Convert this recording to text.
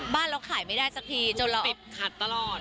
บ้านเราขายไม่ได้สักทีจนเราติดขัดตลอด